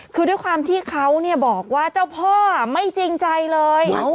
คือด้วยความที่เขาบอกว่าเจ้าพ่อไม่จริงใจเลย